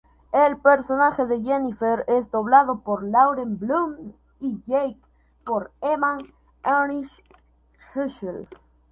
El personaje de Jennifer es doblado por Lauren Bloom, y Jake por Evan Enright-Schulz.